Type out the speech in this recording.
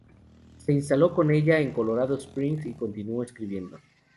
Se instaló con ella en Colorado Springs y continuó escribiendo.